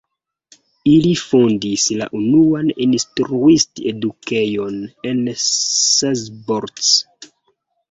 Ili fondis la unuan instruist-edukejon en Szabolcs.